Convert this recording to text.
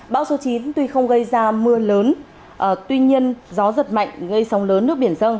bão số chín tuy không gây ra mưa lớn tuy nhiên gió giật mạnh gây sóng lớn nước biển dâng